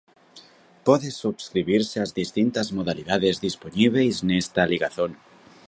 Podes subscribirse ás distintas modalidades dispoñíbeis nesta ligazón.